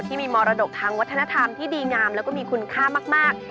มรดกทางวัฒนธรรมที่ดีงามแล้วก็มีคุณค่ามาก